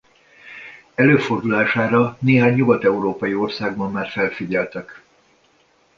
Előfordulására néhány nyugat-európai országban már felfigyeltek.